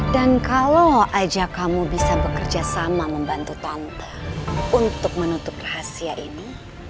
dan kalau aja kamu bisa bekerja sama membantu tante untuk menutup rahasia ini